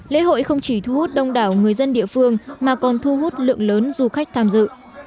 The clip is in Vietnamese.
lễ hội không chỉ thu hút đông đảo người dân địa phương mà còn thu hút lượng lớn du khách tham dự